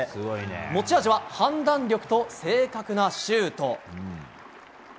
持ち味は判断力と正確なシュート。